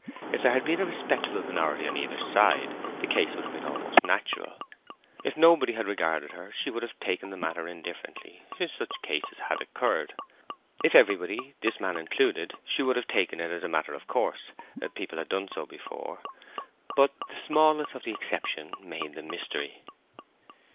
If there had been a respectable minority on either side, the case would have been most natural. If nobody had regarded her, she would have taken the matter indifferently—such cases had occurred. If everybody, this man included, she would have taken it as a matter of course—people had done so before. But the smallness of the exception made the mystery.